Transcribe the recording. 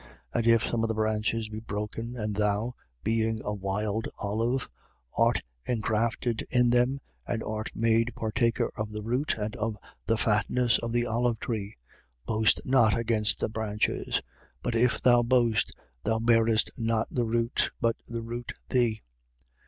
11:17. And if some of the branches be broken and thou, being a wild olive, art ingrafted in them and art made partaker of the root and of the fatness of the olive tree: 11:18. Boast not against the branches. But if thou boast, thou bearest not the root: but the root thee.